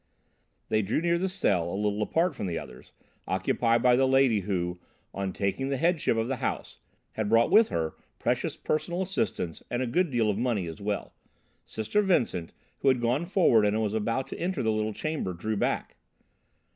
They drew near the cell, a little apart from the others, occupied by the lady, who, on taking the headship of the "House," had brought with her precious personal assistance and a good deal of money as well. Sister Vincent, who had gone forward and was about to enter the little chamber, drew back.